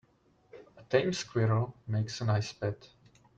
A tame squirrel makes a nice pet.